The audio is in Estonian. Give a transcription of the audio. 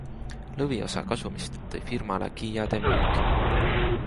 Lõviosa kasumist tõi firmale Kiade müük.